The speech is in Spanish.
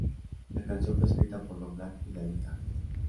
La canción fue escrita por Don Black y David Arnold.